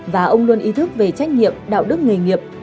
và ông luôn ý thức về trách nhiệm đạo đức nghề nghiệp